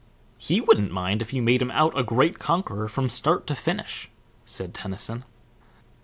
"He wouldn't if you made him out a great conqueror from start to finish," said Tennyson.